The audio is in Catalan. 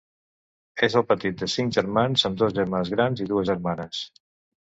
És el petit de cinc germans, amb dos germans grans i dues germanes.